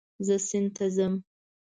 زه سیند ته ځم